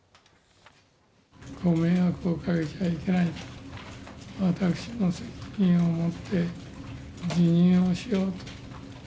ご迷惑をおかけしてはいけないと、私の責任を持って辞任をしようと。